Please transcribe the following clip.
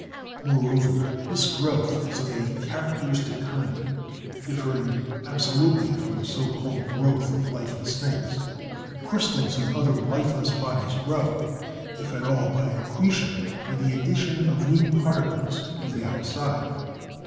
Moreover, this growth is of a characteristic kind, differing absolutely from the so called growth of lifeless things. Crystals and other lifeless bodies grow, if at all, by accre 20 BIOLOGY tion, or the addition of new particles to the outside.